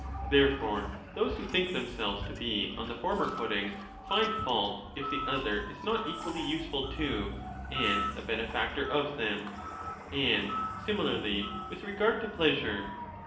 35 Therefore those who think themselves to be on the former footing find fault if the other is not equally useful to and a benefactor of them ; and similarly with regard to pleasure.